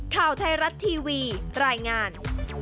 ข่าวไทยรัฐทีวีรายงาน